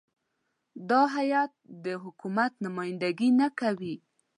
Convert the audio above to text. دا هیات د حکومت نمایندګي نه کوي.